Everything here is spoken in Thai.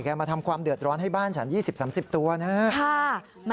ไก่แกะมาทำความเดือดร้อนให้บ้านฉันยี่สิบสามสิบตัวนะฮะ